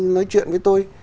nói chuyện với tôi